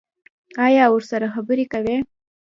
ایا ورسره خبرې کوئ؟